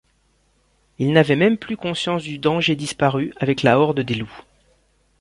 Il n’avait même plus conscience du danger disparu avec la horde des loups.